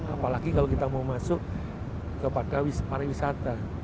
apalagi kalau kita mau masuk kepada para wisata